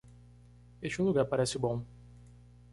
Este lugar parece bom.